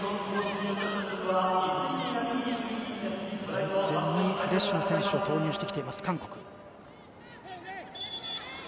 前線にフレッシュな選手を投入してきている韓国。